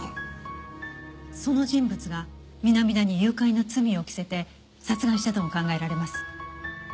その人物が南田に誘拐の罪を着せて殺害したとも考えられます。